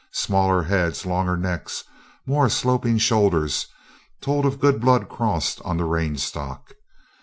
Smaller heads, longer necks, more sloping shoulders, told of good blood crossed on the range stock.